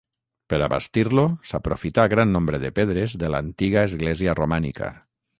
Per a bastir-lo, s'aprofità gran nombre de pedres de l'antiga església romànica.